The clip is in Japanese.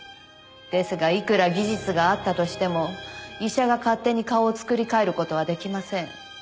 ですがいくら技術があったとしても医者が勝手に顔を作り替える事はできません。